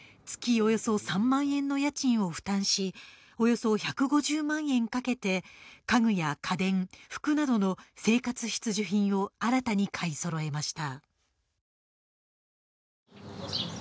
およそ３万円の家賃を負担しおよそ１５０万円かけて家具や家電服などの生活必需品を新たに買いそろえました